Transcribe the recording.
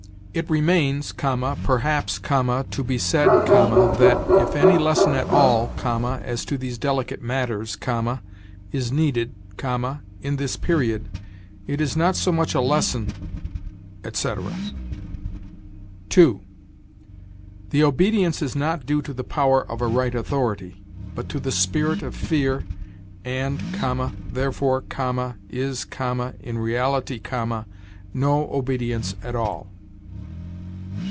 'It remains(,) perhaps(,) to be said(,) that, if any lesson at all(,) as to these delicate matters(,) is needed(,) in this period, it is not so much a lesson,' etc. 2. 'The obedience is not due to the power of a right authority, but to the spirit of fear, and(,) therefore(,) is(,) in reality(,) no obedience at all.'